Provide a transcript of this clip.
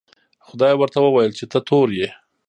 خدای ورته وویل چې ته تور یې.